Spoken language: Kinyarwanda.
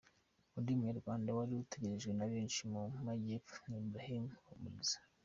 Undi munyarwanda wari utegerejwe na benshi mu majyepho ni Abraham Ruhumuriza.